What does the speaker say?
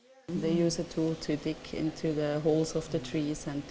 saya sangat senang untuk mencari dan makan gelar ini